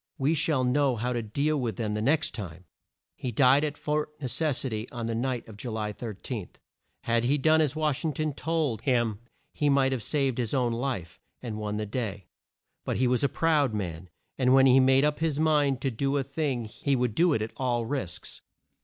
We shall know how to deal with them the next time!" He died at Fort Ne ces si ty on the night of Ju ly 13. Had he done as Wash ing ton told him he might have saved his own life, and won the day. But he was a proud man, and when he made up his mind to do a thing he would do it at all risks.